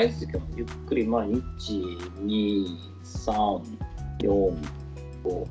ゆっくり前に１、２、３、４、５。